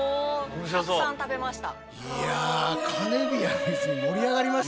たくさん食べました。